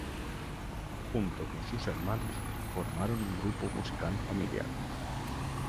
Junto con sus hermanos, formaron un grupo musical familiar.